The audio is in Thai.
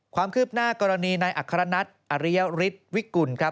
ความคืบหน้ากรณีในอคาระนัดอริยะริดวิกุลครับ